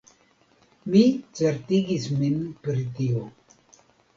Mi certigis min pri tio.